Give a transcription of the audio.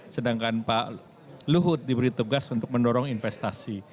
sedangkan pak luhut diberi tugas untuk mendorong investasi